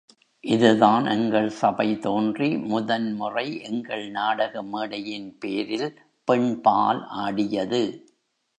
இதுதான் எங்கள் சபை தோன்றி முதன் முறை எங்கள் நாடக மேடையின் பேரில் பெண்பால் ஆடியது.